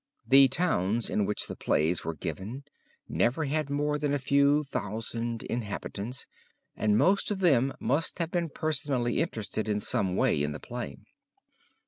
The towns in which the plays were given never had more than a few thousand inhabitants and most of them must have been personally interested in some way in the play.